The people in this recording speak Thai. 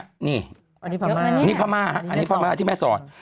อันนี้พม่าอันนี้พม่าที่แม่สอด